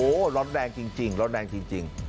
โหร้อนแรงจริง